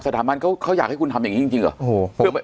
สถาบันเขาเขาอยากให้คุณทำอย่างงี้จริงจริงเหรอโอ้โหเพื่อไป